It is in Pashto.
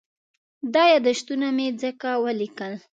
دا یادښتونه مې ځکه وليکل.